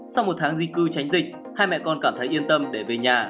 sau một tháng di cư tránh dịch hai mẹ con cảm thấy yên tâm để về nhà